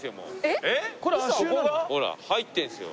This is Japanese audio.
ほら入ってるんですよ。